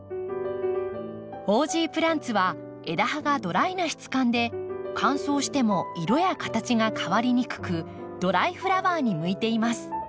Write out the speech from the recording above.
オージープランツは枝葉がドライな質感で乾燥しても色や形が変わりにくくドライフラワーに向いています。